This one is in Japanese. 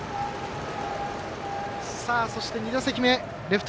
そして、２打席目レフト